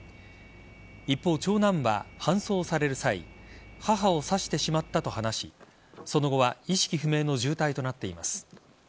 一方、長男は搬送される際母を刺してしまったと話しその後は意識不明の重体となっています。